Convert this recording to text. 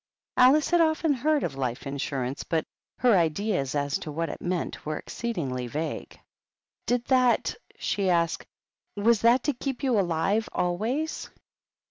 Alice had often heard of life insurance, but her ideas as to what it meant were exceedingly vague. " Did that —" she asked, " was that to keep you alive always?"